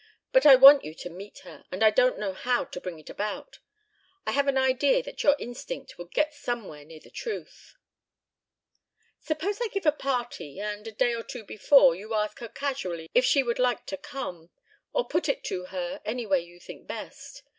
... But I want you to meet her, and I don't know how to bring it about. I have an idea that your instinct would get somewhere near the truth." "Suppose I give a party, and, a day or two before, you ask her casually if she would like to come or put it to her in any way you think best.